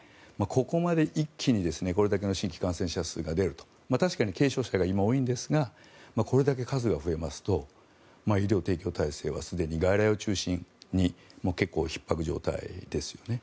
ここまで一気にこれだけの新規感染者数が出ると確かに軽症者が今、多いんですがこれだけ数が増えますと医療提供体制はすでに外来を中心に結構、ひっ迫状態ですよね。